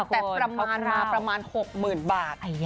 แต่ประมาณมาประมาณ๖๐๐๐บาท